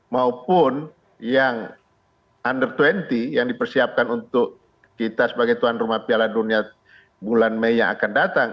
maupun yang under dua puluh yang dipersiapkan untuk kita sebagai tuan rumah piala dunia bulan mei yang akan datang